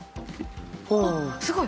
あっすごい！